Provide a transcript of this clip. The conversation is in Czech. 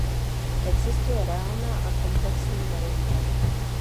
Existuje reálná a komplexní varianta.